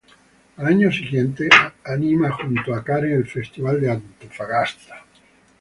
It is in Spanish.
Al año siguiente, anima junto a Karen el Festival de Antofagasta.